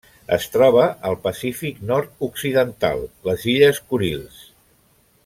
Es troba al Pacífic nord-occidental: les illes Kurils.